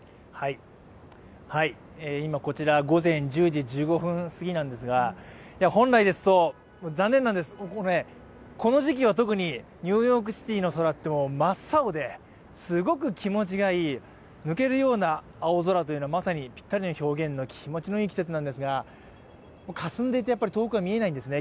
今、こちら午前１０時１５分すぎなんですが、本来ですと、残念なんです、特にこの時季、ニューヨークシティーの空ってもう真っ青で、すごく気持ちがいい抜けるような青空というのがまさにぴったりの気持ちのいい季節なんですがかすんでいて遠くが見えないんですね。